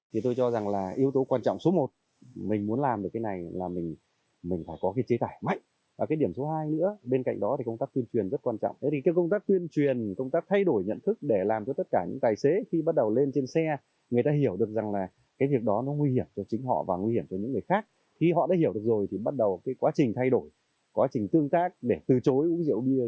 khi họ đã hiểu được rồi thì bắt đầu quá trình thay đổi quá trình tương tác để từ chối uống rượu bia